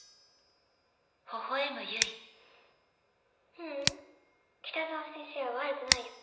ううん北澤先生は悪くないよ。